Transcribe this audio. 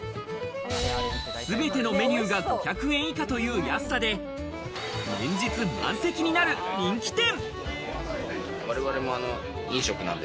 すべてのメニューが５００円以下という安さで連日満席になる人気店。